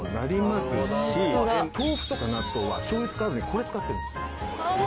豆腐とか納豆はしょう油使わずにこれ使ってるんです。